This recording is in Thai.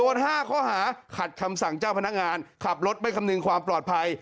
๕ข้อหาขัดคำสั่งเจ้าพนักงานขับรถไม่คำนึงความปลอดภัย